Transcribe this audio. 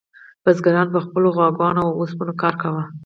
بزګرانو په خپلو غواګانو او اوسپنو کار کاوه.